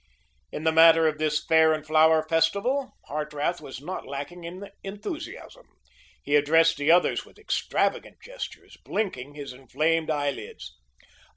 In the matter of this Fair and Flower Festival, Hartrath was not lacking in enthusiasm. He addressed the others with extravagant gestures, blinking his inflamed eyelids.